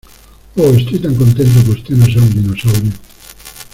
¡ Oh, estoy tan contento que usted no sea un dinosaurio!